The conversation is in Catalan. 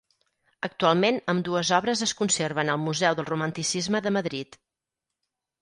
Actualment ambdues obres es conserven al Museu del Romanticisme de Madrid.